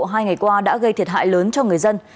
hai ngày qua đã gây thiệt hại lớn cho người dân